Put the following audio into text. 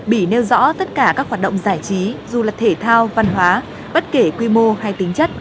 bỉ nêu rõ tất cả các hoạt động giải trí dù là thể thao văn hóa bất kể quy mô hay tính chất